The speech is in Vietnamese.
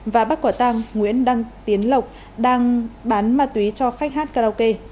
và bắt quả tăng nguyễn đăng tiến lộc đang bán ma túy cho khách hát karaoke